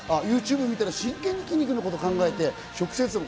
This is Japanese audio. ＹｏｕＴｕｂｅ見たら、真剣に筋肉のこと考えてるんだ。